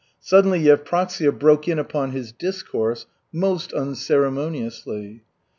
Suddenly Yevpraksia broke in upon his discourse most unceremoniously.